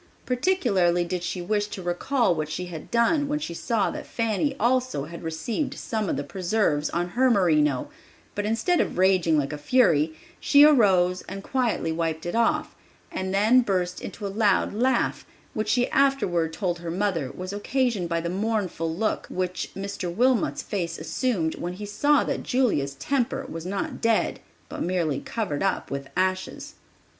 Particularly did she wish to recall what she had done when she saw that Fanny also had received some of the preserves on her merino; but instead of raging like a fury, she arose and quietly wiped it off, and then burst into a loud laugh, which she afterward told her mother was occasioned by the mournful look which Mr. Wilmot's face assumed when he saw that Julia's temper was not dead, but merely covered up with ashes.